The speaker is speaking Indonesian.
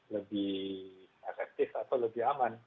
lebih efektif atau lebih bergantung dengan